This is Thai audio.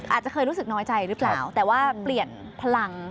อาจจะเคยรู้สึกน้อยใจหรือเปล่าแต่ว่าเปลี่ยนพลัง